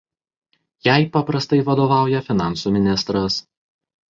Jai paprastai vadovauja finansų ministras.